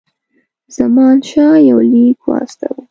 زمانشاه یو لیک واستاوه.